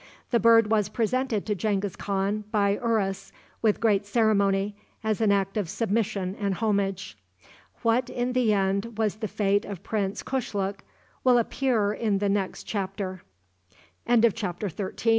The bird was presented to Genghis Khan by Urus with great ceremony, as an act of submission and homage. What, in the end, was the fate of Prince Kushluk, will appear in the next chapter. [Illustration